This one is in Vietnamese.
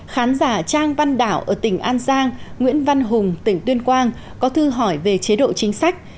khán giả trang văn đảo ở tỉnh an giang nguyễn văn hùng tỉnh tuyên quang có thư hỏi về chế độ chính sách